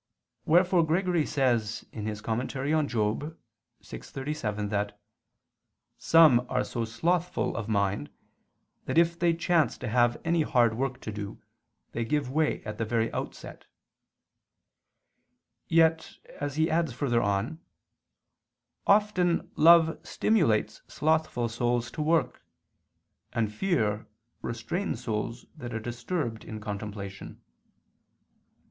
Wherefore Gregory says (Moral. vi, 37) that "some are so slothful of mind that if they chance to have any hard work to do they give way at the very outset." Yet, as he adds further on, "often ... love stimulates slothful souls to work, and fear restrains souls that are disturbed in contemplation."